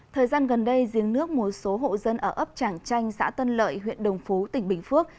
thời gian gần đây giếng nước một số hộ dân ở ấp trảng chanh xã tân lợi huyện đồng phú tỉnh bình phước